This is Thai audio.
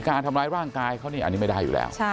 การทำร้ายร่างกายเขานี่อันนี้ไม่ได้อยู่แล้ว